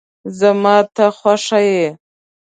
زما ته خوښ یی